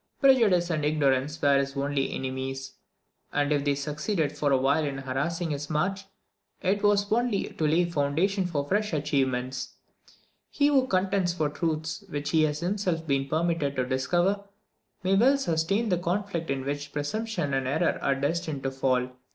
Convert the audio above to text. Prejudice and ignorance were his only enemies; and if they succeeded for a while in harassing his march, it was only to lay a foundation for fresh achievements. He who contends for truths which he has himself been permitted to discover, may well sustain the conflict in which presumption and error are destined to fall.